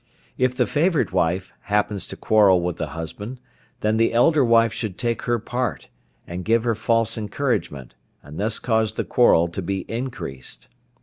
If the favourite wife happens to quarrel with the husband, then the elder wife should take her part and give her false encouragement, and thus cause the quarrel to be increased.